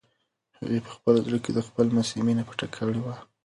هغې په خپل زړه کې د خپل لمسي مینه پټه کړې وه.